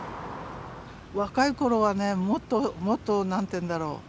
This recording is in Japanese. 若い頃はねもっともっと何て言うんだろう